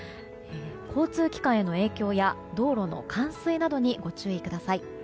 交通機関への影響や道路の冠水などにご注意ください。